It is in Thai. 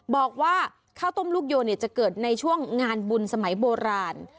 บอกว่าข้าวต้มลูกโยนจะเกิดในช่วงงานบุญสมัยโบราณ